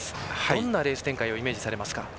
どんなレース展開をイメージされますか？